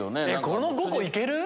この５個いける？